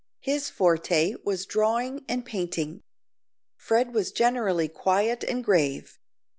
His forte was drawing and painting. Fred was generally quiet and grave.